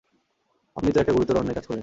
আপনি তো একটা গুরুতর অন্যায় কাজ করলেন।